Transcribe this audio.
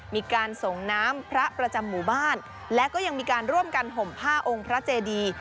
มีการส่งน้ำพระประจำหมู่บ้านและก็ยังมีการร่วมกันห่มผ้าองค์พระเจดี